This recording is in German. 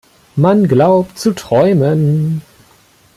Man glaubt zu träumen!